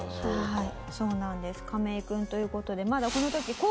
はい。